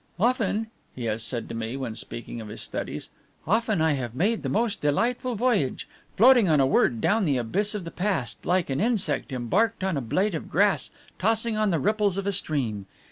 "Often," he has said to me when speaking of his studies, "often have I made the most delightful voyage, floating on a word down the abyss of the past, like an insect embarked on a blade of grass tossing on the ripples of a stream.